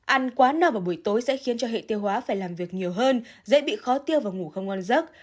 ăn quá no vào buổi tối sẽ khiến cho hệ tiêu hóa phải làm việc nhiều hơn dễ bị khó tiêu và ngủ không ngon giấc